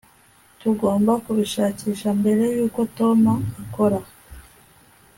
tugomba kubishakisha mbere yuko tom akora